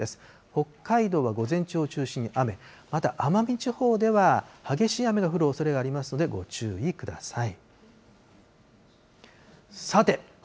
北海道は午前中を中心に雨、また奄美地方では激しい雨の降るおそれがありますので、ご注意ください。